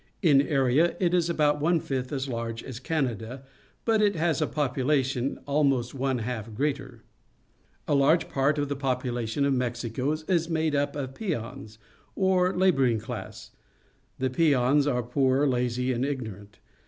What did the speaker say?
In area it is about one fifth as large as Canada, but it has a population almost one half greater. A large part of the population of Mexico is made up of the peons, or labouring class. The peons are poor, lazy, and ignorant.